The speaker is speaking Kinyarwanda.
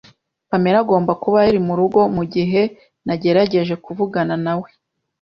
Pamela agomba kuba yari murugo mugihe nagerageje kuvugana nawe,